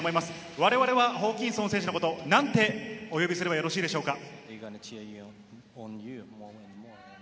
我々はホーキンソン選手のことをなんてお呼びすればよろしいでしょうか？